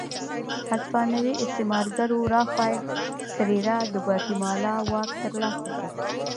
هسپانوي استعمارګرو رافایل کېریرا د ګواتیمالا واک ترلاسه کړ.